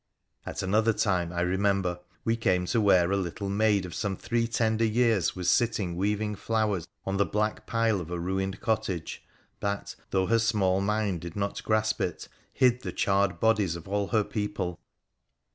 At another time, I remember, we came to where a little maid of some three tender years was sitting weaving flowers on the black pile of a ruined cottage, that, though her small mind did not grasp it, hid the charred bodies of all her people.